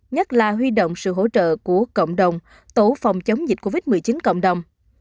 nhất là huy động sự hỗ trợ của cộng đồng tổ phòng chống dịch covid một mươi chín cộng đồng